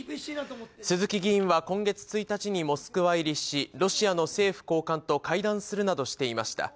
鈴木議員は今月１日にモスクワ入りし、ロシアの政府高官と会談するなどしていました。